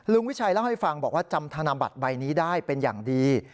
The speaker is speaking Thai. วิชัยเล่าให้ฟังบอกว่าจำธนบัตรใบนี้ได้เป็นอย่างดี